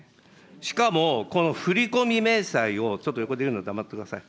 しかも、この振り込み明細を、ちょっと横で言うの、黙ってください。